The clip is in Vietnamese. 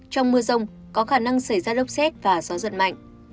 trong mưa rông có khả năng xảy ra lốc xét và gió giật mạnh